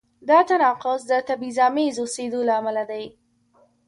دا تناقض د تبعیض آمیز اوسېدو له امله دی.